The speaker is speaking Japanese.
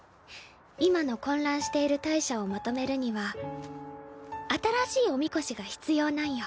今の混乱している大赦をまとめるには新しいおみこしが必要なんよ。